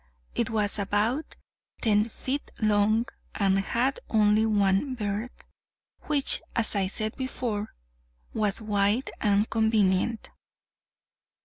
It was about ten feet long, and had only one berth, which, as I said before, was wide and convenient.